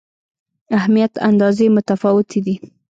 اهمیت اندازې متفاوتې دي.